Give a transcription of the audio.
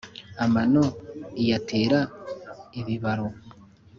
Amano iyatera ibibaru